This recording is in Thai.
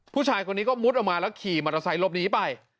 ผู้ชายคนนี้ก็มุดออกมาแล้วขี่มอเตอร์ไซค์ลบนี้ไป